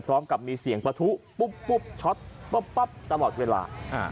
พร้อมกับมีเสียงประทุปุ๊บช็อตปุ๊บปั๊บตลอดเวลา